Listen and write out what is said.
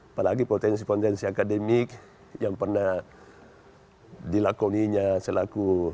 apalagi potensi potensi akademik yang pernah dilakoninya selaku